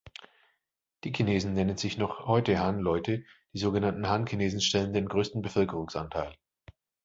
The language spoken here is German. Die Chinesen nennen sich noch heute Han-Leute, die sogenannten Han-Chinesen stellen den größten Bevölkerungsanteil.